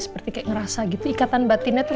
seperti kayak ngerasa gitu ikatan batinnya tuh